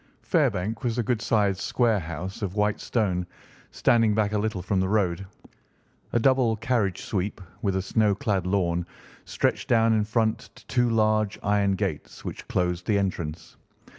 Fairbank was a good sized square house of white stone, standing back a little from the road. A double carriage sweep, with a snow clad lawn, stretched down in front to two large iron gates which closed the entrance.